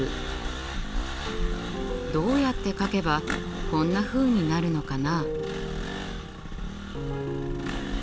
どうやって描けばこんなふうになるのかな？